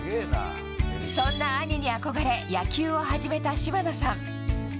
そんな兄に憧れ野球を始めた島野さん。